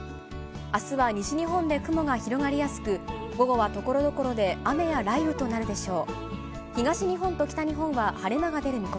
あすは西日本で雲が広がりやすく、午後は所々で雨や雷雨となるでしょう。